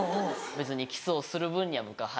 別にキスをする分には僕ははい。